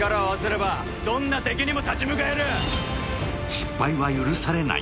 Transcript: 失敗は許されない。